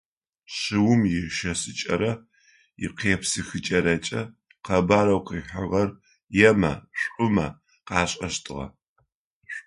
Шыум ишэсыкӏэрэ икъепсыхыкӏэрэкӏэ къэбарэу къыхьыгъэр емэ, шӏумэ къашӏэщтыгъэ.